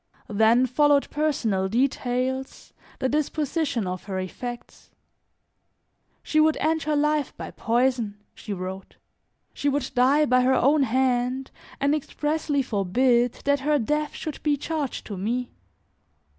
Then followed personal details, the disposition of her effects. She would end her life by poison, she wrote. She would die by her own hand and expressly forbid that her death should be charged to me.